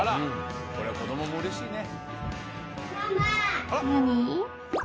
これ子供もうれしいね。